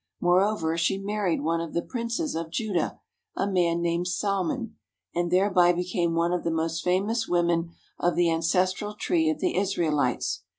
Moreover, she married one of the princes of Judah, a man named Salmon, and thereby became one of the most famous women of the ancestral tree of the Israel ites.